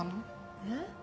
えっ？